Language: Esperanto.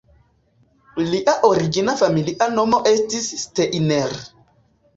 Lia origina familia nomo estis Steiner.